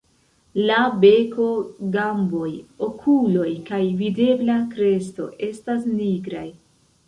La beko, gamboj, okuloj kaj videbla kresto estas nigraj.